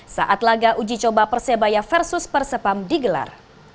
saat laga uji coba persebaya versus persepam digelar